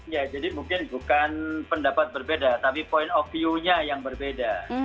ya jadi mungkin bukan pendapat berbeda tapi point of view nya yang berbeda